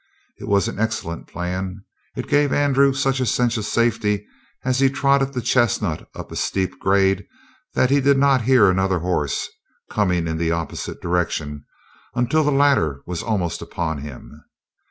It was an excellent plan. It gave Andrew such a sense of safety, as he trotted the chestnut up a steep grade, that he did not hear another horse, coming in the opposite direction, until the latter was almost upon him.